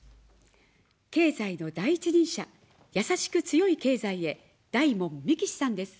経済の第一人者、やさしく強い経済へ、大門みきしさんです。